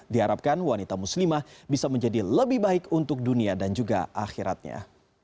diharapkan wanita muslimah bisa menjadi lebih baik untuk dunia dan juga akhiratnya